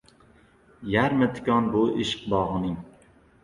Yarmi tikon bu ishq bog‘ining.